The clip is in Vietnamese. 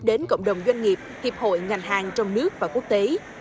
đến cộng đồng doanh nghiệp hiệp hội ngành hàng trong nước và quốc tế